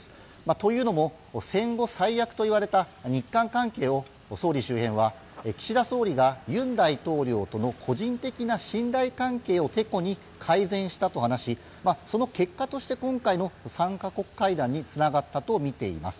というのも、戦後最悪といわれた日韓関係を総理周辺は岸田総理が尹大統領との個人的な信頼関係を、てこに改善したと話しその結果として今回の３か国会談につながったとみています。